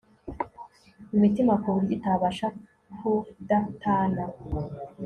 imitima kuburyo itabasha kudatana